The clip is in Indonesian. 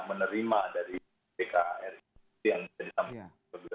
nah menerima dari pkr yang ditampilkan